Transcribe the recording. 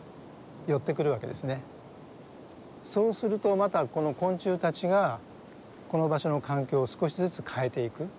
そうするとまたこの昆虫たちがこの場所の環境を少しずつ変えていく。